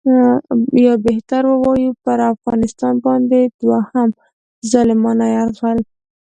یا بهتر ووایو پر افغانستان باندې دوهم ظالمانه یرغل.